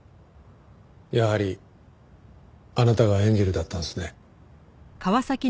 やはりあなたがエンジェルだったんですね。